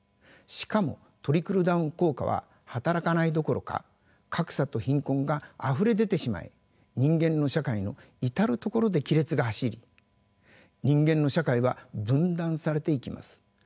しかもトリクルダウン効果は働かないどころか格差と貧困があふれ出てしまい人間の社会の至る所で亀裂が走り人間の社会は分断されていきます。